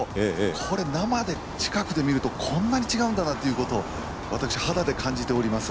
これ生で近くで見ると、こんなに違うんだなということを私、肌で感じております。